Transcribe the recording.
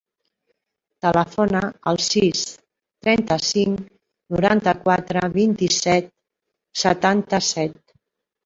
Telefona al sis, trenta-cinc, noranta-quatre, vint-i-set, setanta-set.